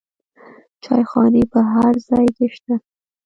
چایخانې په هر ځای کې شته.